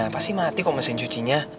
pasti mati kok mesin cucinya